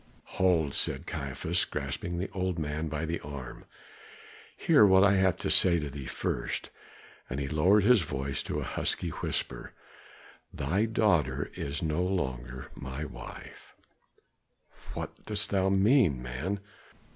"Hold!" said Caiaphas, grasping the old man by the arm. "Hear what I have to say to thee first," and he lowered his voice to a husky whisper. "Thy daughter is no longer my wife." "What dost thou mean, man?